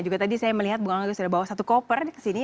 juga tadi saya melihat bung agus sudah bawa satu koper kesini